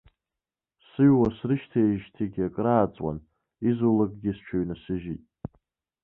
Сыҩуа срышьҭеижьҭеигьы акрааҵуан, изулакгьы сҽыҩнасыжьит.